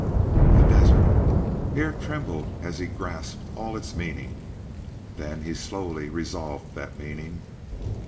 The desert! Hare trembled as he grasped all its meaning. Then he slowly resolved that meaning.